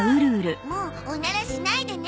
もうオナラしないでね。